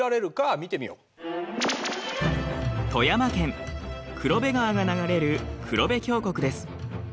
富山県黒部川が流れる黒部峡谷です。